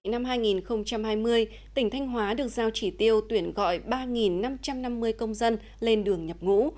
năm hai nghìn hai mươi tỉnh thanh hóa được giao chỉ tiêu tuyển gọi ba năm trăm năm mươi công dân lên đường nhập ngũ